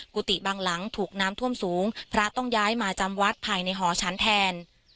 กุฏิบางหลังถูกน้ำท่วมสูงพระต้องย้ายมาจำวัดภายในหอฉันแทน